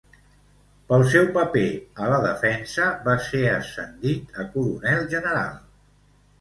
Pel seu paper a la defensa va ser ascendit a Coronel General.